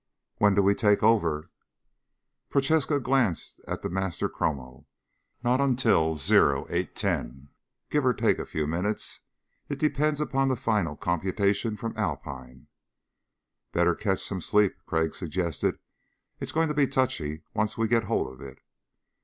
"When do we take over?" Prochaska glanced at the master chrono. "Not till 0810, give or take a few minutes. It depends on the final computations from Alpine." "Better catch some sleep," Crag suggested. "It's going to be touchy once we get hold of it."